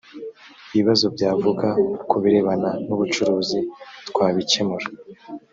ibibazo byavuka ku birebana n’ bucuruzi twabikemura